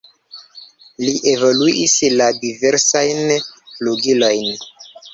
Li evoluis la diversajn flugilojn.